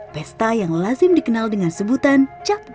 pesta yang lazim dikenal dengan sebutan cap